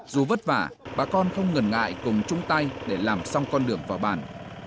dù vất vả bà con không ngần ngại cùng chung tay để làm xong con đường vào bản